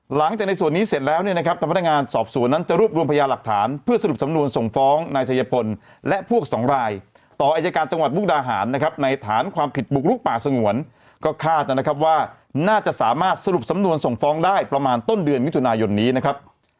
หลังจากในส่วนนี้เสร็จแล้วเนี่ยนะครับทางพนักงานสอบสวนนั้นจะรวบรวมพยาหลักฐานเพื่อสรุปสำนวนส่งฟ้องนายชัยพลและพวกสองรายต่ออายการจังหวัดมุกดาหารนะครับในฐานความผิดบุกลุกป่าสงวนก็คาดนะครับว่าน่าจะสามารถสรุปสำนวนส่งฟ้องได้ประมาณต้นเดือนมิถุนายนนี้นะครับ